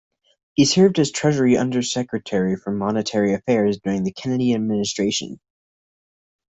He served as Treasury Undersecretary for Monetary Affairs during the Kennedy administration.